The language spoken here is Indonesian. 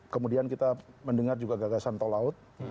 kemudian kita mendengar juga gagasan tol laut